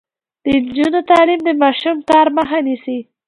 د نجونو تعلیم د ماشوم کار مخه نیسي.